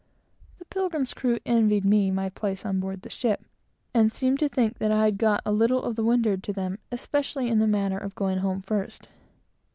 The Pilgrim's crew envied me my place on board the ship, and seemed to think that I had got a little to windward of them; especially in the matter of going home first.